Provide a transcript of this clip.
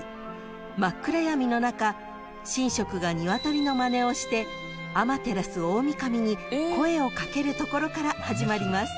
暗闇の中神職がニワトリのまねをして天照大御神に声を掛けるところから始まります］